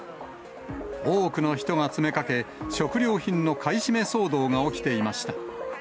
多くの人が詰めかけ、食料品の買い占め騒動が起きていました。